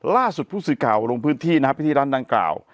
ล่าสุดพุธศึก่าวลงพื้นที่นะครับไปที่ร้านดังกล่าว